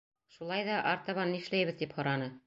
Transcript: Шулай ҙа, артабан нишләйбеҙ, тип һораны.